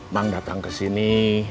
bang datang ke sini